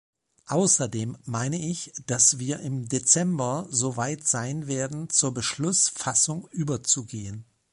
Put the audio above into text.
Außerdem meine ich, dass wir im Dezember so weit sein werden, zur Beschlussfassung überzugehen.